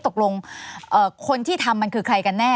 ตกลงคนที่ทำมันคือใครกันแน่